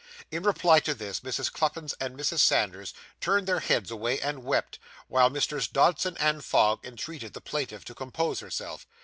In reply to this, Mrs. Cluppins and Mrs. Sanders turned their heads away and wept, while Messrs. Dodson and Fogg entreated the plaintiff to compose herself.